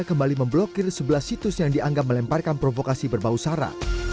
kembali memblokir sebelas situs yang dianggap melemparkan provokasi berbau sara